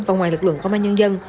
và ngoài lực lượng công an nhân dân